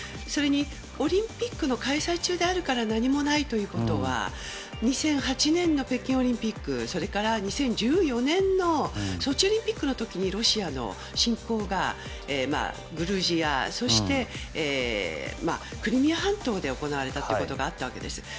それにオリンピックの開催中であるから何もないということは２００８年の北京オリンピックそれから２０１４年のソチオリンピックの時にロシアの侵攻がグルジア、そしてクリミア半島で行われたことがあったわけです。